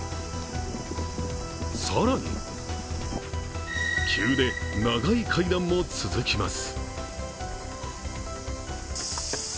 更に、急で長い階段も続きます。